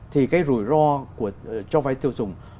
thì cái rủi ro cho vay tiêu dùng